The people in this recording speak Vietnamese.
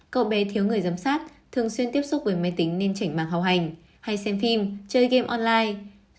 cậu bé thiếu người giám sát thường xuyên tiếp xúc với máy tính nên chỉnh mạng hào hành hay xem phim chơi game online